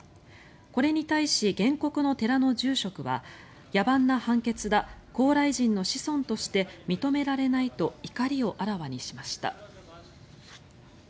これに対し、原告の寺の住職は野蛮な判決だ高麗人の子孫として認められないと怒りをあらわにしました。